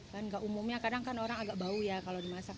kan nggak umumnya kadang kan orang agak bau ya kalau dimasak